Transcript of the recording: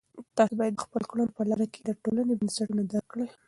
تاسې باید د خپلو کړنو په رڼا کې د ټولنې بنسټونه درک کړئ.